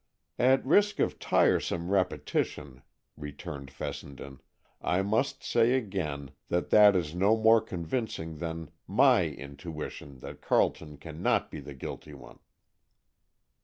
"At risk of tiresome repetition," returned Fessenden, "I must say again that that is no more convincing than my 'intuition' that Carleton can not be the guilty one."